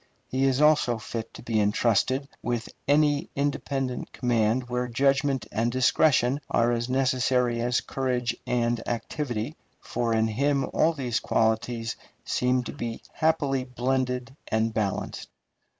He is also fit to be intrusted with any independent command where judgment and discretion are as necessary as courage and activity, for in him all these qualities seem to be happily blended and balanced.